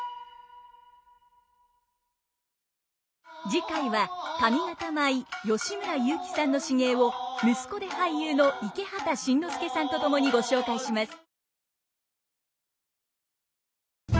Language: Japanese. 次回は上方舞吉村雄輝さんの至芸を息子で俳優の池畑慎之介さんと共にご紹介します。